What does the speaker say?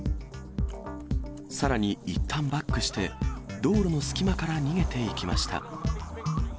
さらに、いったんバックして、道路の隙間から逃げていきました。